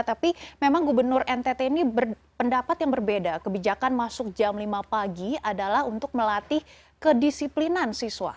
tapi memang gubernur ntt ini berpendapat yang berbeda kebijakan masuk jam lima pagi adalah untuk melatih kedisiplinan siswa